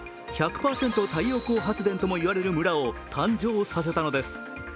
太陽光発電ともいわれる村を誕生させたのです。